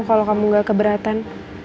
kalau kamu gak keberatan